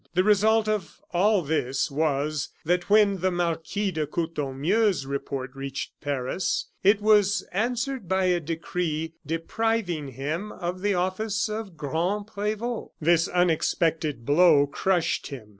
The result of all this was, that when the Marquis de Courtornieu's report reached Paris, it was answered by a decree depriving him of the office of grand prevot. This unexpected blow crushed him.